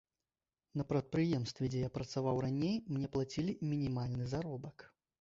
На прадпрыемстве, дзе я працаваў раней, мне плацілі мінімальны заробак.